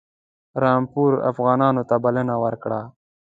رامپور افغانانو ته بلنه ورکړه.